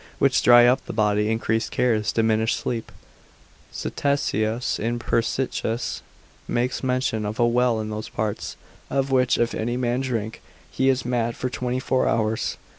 which dry up the body, increase cares, diminish sleep: Ctesias in Persicis, makes mention of a well in those parts, of which if any man drink, he is mad for 24 hours.